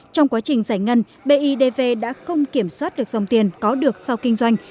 trong quá trình giải ngân bidv đã không kiểm soát được dòng tiền có được sau kinh doanh